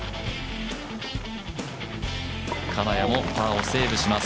金谷もパーをセーブします。